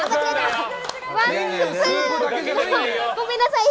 ごめんなさい！